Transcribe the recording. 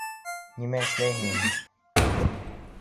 Нимә эшләйһең инде?